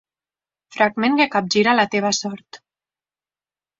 Fragment que capgira la teva sort.